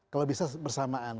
kalau bisa bersamaan